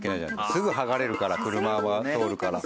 すぐ剥がれるから車は通るから。